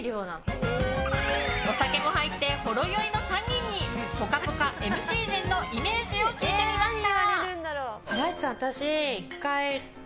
お酒も入ってほろ酔いの３人に「ぽかぽか」ＭＣ陣のイメージを聞いてみました。